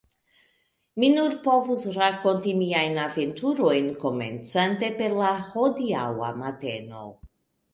Mi nur povus rakonti miajn aventurojn komencante per la hodiaŭa mateno,.